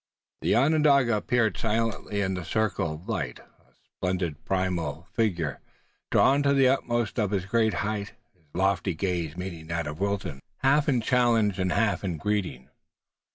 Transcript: The Onondaga appeared silently in the circle of light, a splendid primeval figure, drawn to the uttermost of his great height, his lofty gaze meeting that of Wilton, half in challenge and half in greeting.